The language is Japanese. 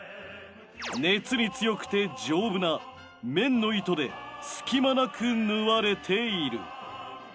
熱に強くて丈夫な綿の糸で隙間なく縫われている。